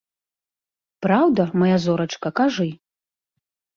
Праўда, мая зорачка, кажы?